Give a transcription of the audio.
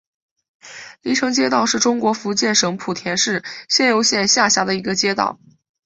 鲤城街道是中国福建省莆田市仙游县下辖的一个街道。